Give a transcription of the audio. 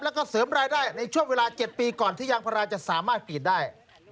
แล้วก็เสริมรายได้ในช่วงเวลา๗ปีก่อนที่ยางพาราจะสามารถกรีดได้